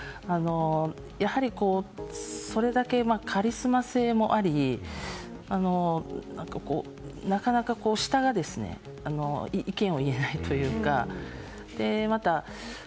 やはりそれだけカリスマ性もありなかなか、下が意見を言えないというか。